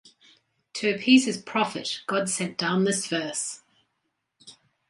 To appease his prophet, God sent down this verse.